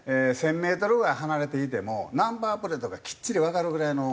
１０００メートルぐらい離れていてもナンバープレートがきっちりわかるぐらいの。